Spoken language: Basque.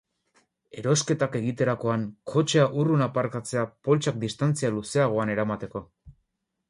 Erosketak egiterakoan, kotxea urrun aparkatzea poltsak distantzia luzeagoan eramateko.